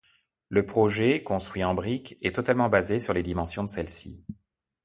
Le projet, construit en briques, est totalement basé sur les dimensions de celles-ci.